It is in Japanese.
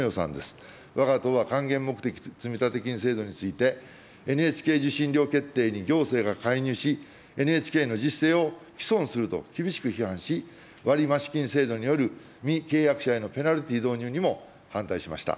わが党は還元目的積立金制度について、ＮＨＫ受信料決定に行政が介入し、ＮＨＫの自主性を毀損すると厳しく批判し、割増金制度による、未契約者へのペナルティ導入にも反対しました。